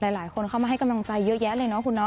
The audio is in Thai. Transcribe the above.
หลายคนเข้ามาให้กำลังใจเยอะแยะเลยเนาะคุณน้อง